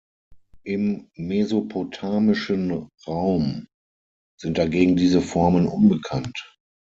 Im mesopotamischen Raum sind dagegen diese Formen unbekannt.